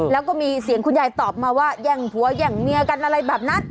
แล้วก็มีเสียงคุณยายตอบมาว่าแย่งผัวแย่งเมียกันอะไรแบบนั้น